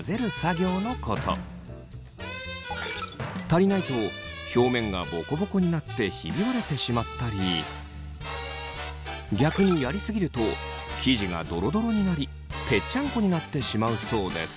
足りないと表面がボコボコになってひび割れてしまったり逆にやり過ぎると生地がドロドロになりぺっちゃんこになってしまうそうです。